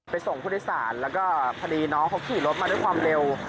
ส่งผู้โดยสารแล้วก็พอดีน้องเขาขี่รถมาด้วยความเร็ว